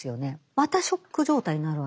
またショック状態になるわけです。